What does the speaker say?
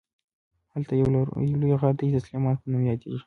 هلته یو لوی غر دی چې د سلیمان په نوم یادیږي.